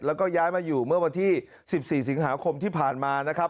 แล้วก็ย้ายมาอยู่เมื่อวันที่๑๔สิงหาคมที่ผ่านมานะครับ